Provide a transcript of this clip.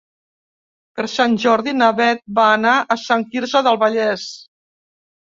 Per Sant Jordi na Beth vol anar a Sant Quirze del Vallès.